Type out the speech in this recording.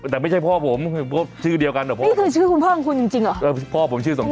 แต่ไม่ใช่พ่อผมชื่อเดียวกันอ่ะผมนี่คือชื่อคุณพ่อของคุณจริงเหรอพ่อผมชื่อสมค